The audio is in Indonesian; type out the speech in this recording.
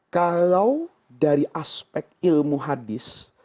kalau dari aspek ilmu hadis